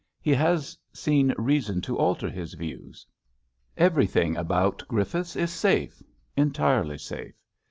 He has seen reason to alter his views. Everything about Griffiths is safe — entirely safe.